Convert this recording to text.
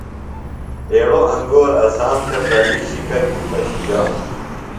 ایڑوۡ انگور اسام تھےۡ پرلی شِکل کیۡ پشِجانوۡ۔